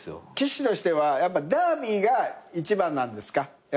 騎手としてはやっぱダービーが一番なんですか？